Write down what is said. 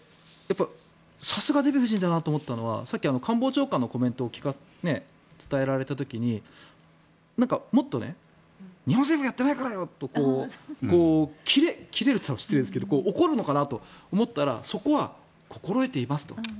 さすがデヴィ夫人だなと思ったのがさっき官房長官のコメントを伝えられた時にもっとね日本政府がやってないからよ！とキレると言ったら失礼ですが怒るのかなと思ったらそこは、心得ていますと。